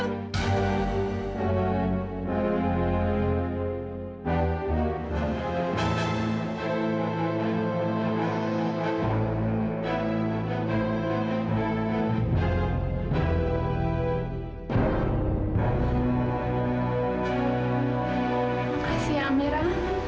makasih ya amira